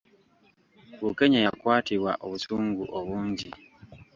Bukenya yakwatibwa obusungu obungi!